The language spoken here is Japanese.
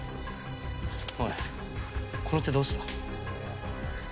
おいこの手どうした？